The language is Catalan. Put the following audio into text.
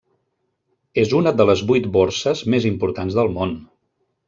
És una de les vuit borses més importants del món.